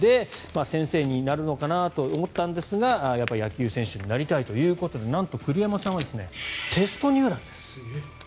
先生になるのかなと思ったんですがやっぱり野球選手になりたいということでなんと栗山さんはテスト入団です。